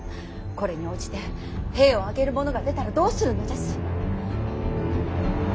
これに応じて兵を挙げる者が出たらどうするのです。